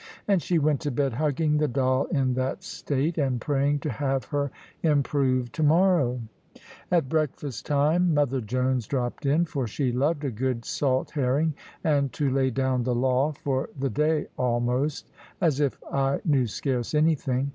And she went to bed hugging the doll in that state, and praying to have her improved to morrow. At breakfast time mother Jones dropped in, for she loved a good salt herring, and to lay down the law for the day almost; as if I knew scarce anything.